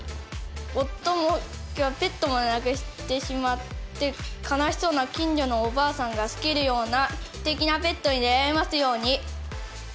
夫もペットも亡くしてしまって悲しそうな近所のおばあさんが好けるようなすてきなペットに出会えますように。